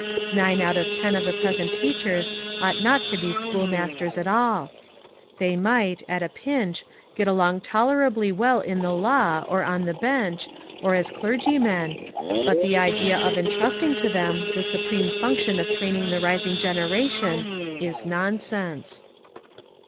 Nine out of ten of the present teachers ought not to be schoolmasters at all. They 1 80 Tlie Lot of the Schoolmaster might, at a pinch, get along tolerably well in the law, or on the bench, or as clergymen, but the idea of entrusting to them the supreme func tion of training the rising generation is non sense.